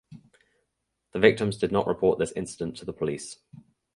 The victims did not report this incident to the police.